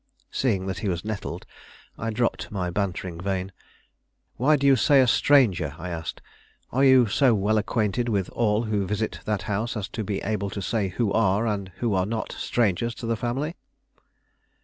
Seeing that he was nettled, I dropped my bantering vein. "Why do you say a stranger?" I asked; "are you so well acquainted with all who visit that house as to be able to say who are and who are not strangers to the family?